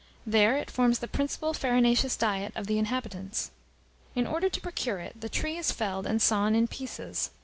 There it forms the principal farinaceous diet of the inhabitants. In order to procure it, the tree is felled and sawn in pieces.